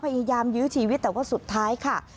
ยื้อชีวิตแต่ว่าสุดท้ายค่ะ